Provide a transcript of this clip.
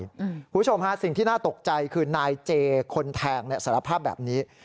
คุณผู้ชมฮะสิ่งที่น่าตกใจคือนายเจคนแทงสารภาพแบบนี้